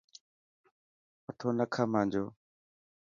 مٿو نا کا مانجو.